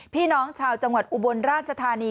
พี่น้องชาวจังหวัดอุบลราชธานี